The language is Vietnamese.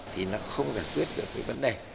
thì nó không giải quyết được cái vấn đề